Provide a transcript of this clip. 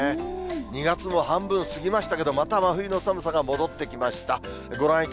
２月も半分過ぎましたけど、また冬の寒さが戻ってきました。